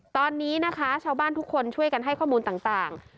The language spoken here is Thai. ตอนนี้นะคะชาวบ้านทุกคนช่วยกันให้ข้อมูลต่าง